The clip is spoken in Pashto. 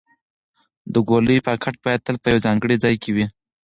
د ګولیو پاکټ باید تل په یو ځانګړي ځای کې وي.